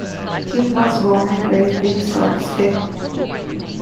Kim was born and raised in Sault Ste.